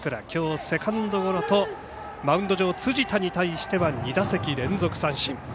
今日、セカンドゴロとマウンド上の辻田に対しては２打席連続三振。